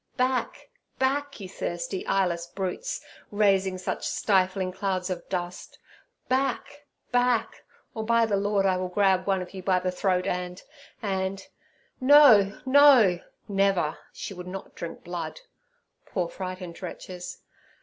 'Back! back! you thirsty, eyeless brutes, raising such stifling clouds of dust. Back! back! or by the Lord I will grab one of you by the throat and—and—' No! no! never; she would not drink blood. Poor frightened wretches!